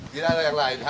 tidak ada yang lain